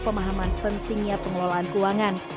pemahaman pentingnya pengelolaan keuangan